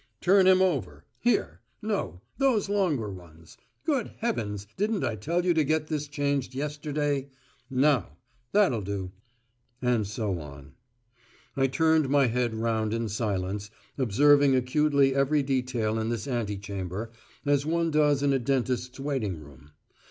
"Turn him over. Here. No, those longer ones. Good heavens, didn't I tell you to get this changed yesterday? Now. That'll do," and so on. I turned my head round in silence, observing acutely every detail in this antechamber, as one does in a dentist's waiting room.